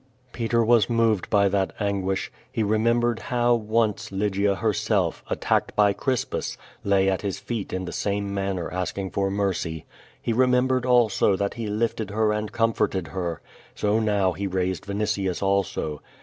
Peter was moved by that anguish. He remembered, how, once, Lygia herself, attacked by Crispus, lay at his feet in the same manner asking for mercy. He remembered, also, that he lifted her and comforted her. So now he raised Vinitius also.